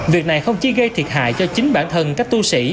việc này không chỉ gây thiệt hại cho chính bản thân các tu sĩ